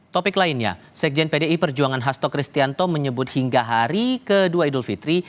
topik lainnya sekjen pdi perjuangan hasto kristianto menyebut hingga hari kedua idul fitri